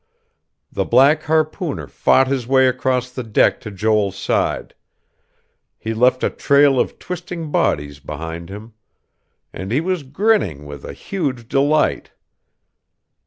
The black harpooner fought his way across the deck to Joel's side. He left a trail of twisting bodies behind him. And he was grinning with a huge delight.